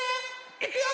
いくよ！